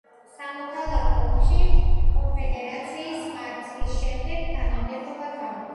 სამოქალაქო ომში კონფედერაციის მარცხის შემდეგ თანამდებობა გაუქმდა.